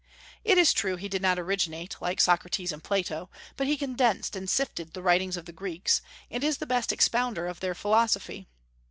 It is true he did not originate, like Socrates and Plato; but he condensed and sifted the writings of the Greeks, and is the best expounder of their philosophy.